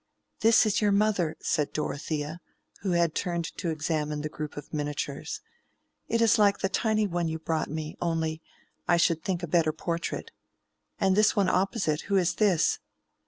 "This is your mother," said Dorothea, who had turned to examine the group of miniatures. "It is like the tiny one you brought me; only, I should think, a better portrait. And this one opposite, who is this?"